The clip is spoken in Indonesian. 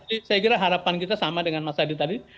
jadi saya kira harapan kita sama dengan mas adi tadi